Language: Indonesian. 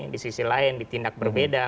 di sisi lain ditindak berbeda